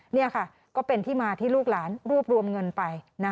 นี่ค่ะก็เป็นที่มาที่ลูกหลานรวบรวมเงินไป